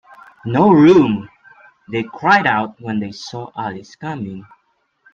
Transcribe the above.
No room!’ they cried out when they saw Alice coming.